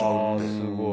すごい。